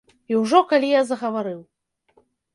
І ўжо калі я загаварыў.